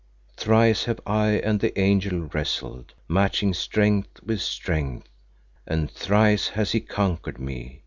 Thrice have I and the angel wrestled, matching strength with strength, and thrice has he conquered me.